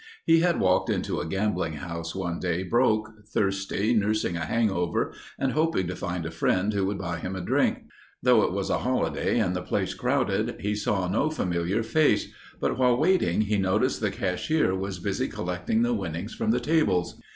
He had walked into a gambling house one day broke, thirsty, nursing a hangover, and hoping to find a friend who would buy him a drink. Though it was a holiday and the place crowded, he saw no familiar face, but while waiting he noticed the cashier was busy collecting the winnings from the tables.